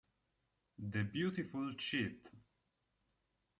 The Beautiful Cheat